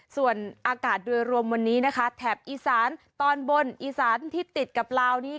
ส่วนอากาศโดยรวมวันนี้นะคะแถบอีสานตอนบนอีสานที่ติดกับลาวนี้